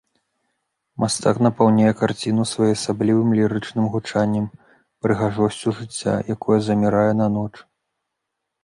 Мастак напаўняе карціну своеасаблівым лірычным гучаннем, прыгажосцю жыцця, якое замірае на ноч.